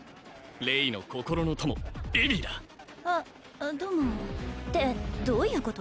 レイの心の友エヴィだあどうもってどういうこと？